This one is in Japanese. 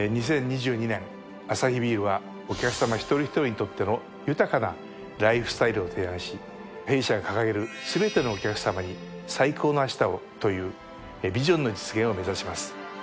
２０２２年アサヒビールはお客さま一人一人にとっての豊かなライフスタイルを提案し弊社が掲げる「すべてのお客さまに、最高の明日を。」というビジョンの実現を目指します。